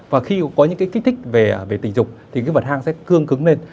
và khi có những cái kích thích về tình dục thì cái vật hang sẽ cương cứng lên